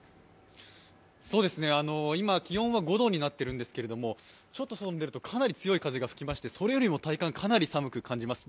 今、気温は５度になっているんですけれどもちょっと外に出るとかなり風が吹きまして、体感かなり寒く感じます。